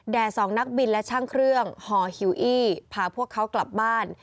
สองนักบินและช่างเครื่องห่อหิวอี้พาพวกเขากลับบ้าน